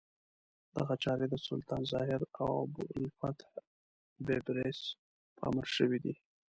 دغه چارې د سلطان الظاهر ابوالفتح بیبرس په امر شوې دي.